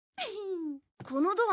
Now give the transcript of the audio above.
このドア